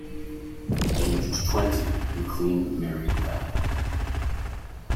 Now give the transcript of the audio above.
Aged twenty, McLean married Val.